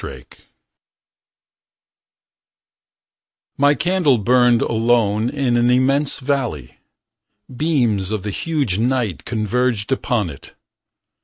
pdf My candle burned alone in an immense valley. Beams of the huge night converged upon it.